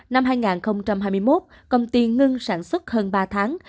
năm hai nghìn hai mươi một công ty ngưng sản xuất hơn ba tháng